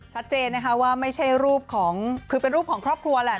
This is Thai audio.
ชัดเจนนะคะว่าไม่ใช่รูปของคือเป็นรูปของครอบครัวแหละ